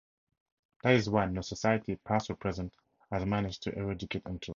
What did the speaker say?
That is why no society, past or present, has managed to eradicate interest.